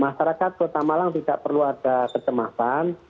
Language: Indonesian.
masyarakat kota malang tidak perlu ada kecemasan